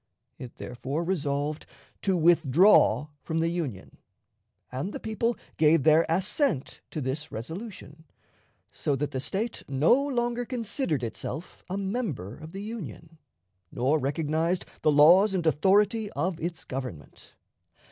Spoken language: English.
It therefore resolved to withdraw from the Union, and the people gave their assent to this resolution; so that the State no longer considered itself a member of the Union, nor recognized the laws and authority of its Government.